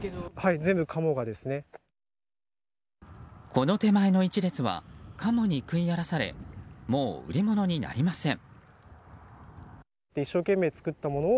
この手前の１列はカモに食い荒らされもう売り物になりません。